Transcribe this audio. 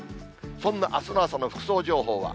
そんなあすの朝の服装情報は。